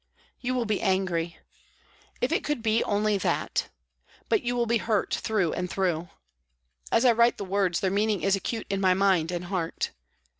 " You will be angry. If it could be only that. But you will be hurt through and through. As I write the words their meaning is acute in my mind and heart.